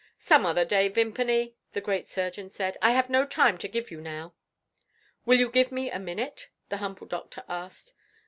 "Some other day, Vimpany," the great surgeon said; "I have no time to give you now." "Will you give me a minute?" the humble doctor asked.